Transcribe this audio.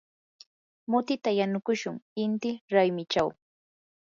mutita yanukushun inti raymichaw.